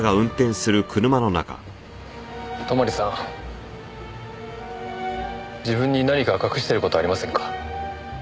泊さん自分に何か隠してる事ありませんか？